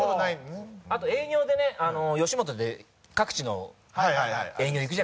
あと営業でね吉本で各地の営業行くじゃないですか劇場で。